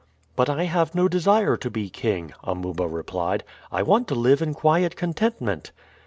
"But I have no desire to be king," Amuba replied. "I want to live in quiet contentment."